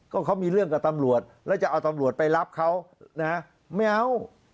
ก็เขามีเรื่องกับตำรวจแล้วจะเอาตำรวจไปรับเขานะไม่เอา